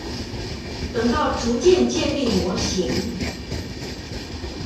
等到逐漸建立模型